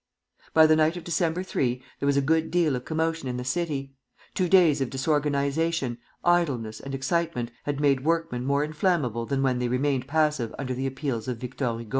By the night of December 3 there was a good deal of commotion in the city. Two days of disorganization, idleness, and excitement had made workmen more inflammable than when they remained passive under the appeals of Victor Hugo.